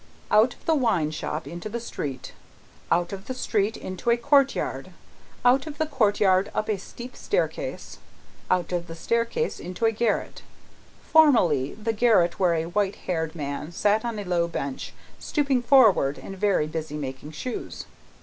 Out of the wine shop into the street, out of the street into a courtyard, out of the courtyard up a steep staircase, out of the staircase into a garret formerly the garret where a white haired man sat on a low bench, stooping forward and very busy, making shoes.